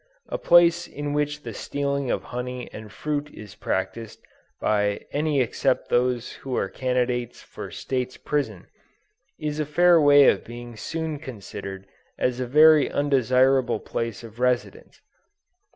A place in which the stealing of honey and fruit is practiced by any except those who are candidates for State's Prison, is in a fair way of being soon considered as a very undesirable place of residence.